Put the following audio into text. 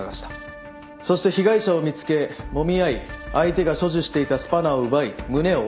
そして被害者を見つけもみ合い相手が所持していたスパナを奪い胸を殴打した。